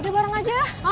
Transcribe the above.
udah bareng aja lah